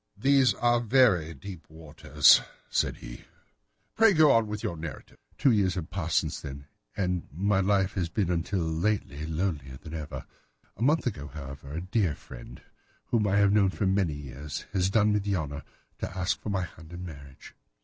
"These are very deep waters," said he; "pray go on with your narrative." "Two years have passed since then, and my life has been until lately lonelier than ever. A month ago, however, a dear friend, whom I have known for many years, has done me the honour to ask my hand in marriage.